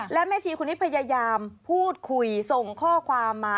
และแม่ชีคนนี้พยายามพูดคุยส่งข้อความมา